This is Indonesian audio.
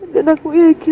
dan aku yakin